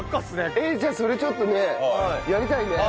えっじゃあそれちょっとねやりたいね。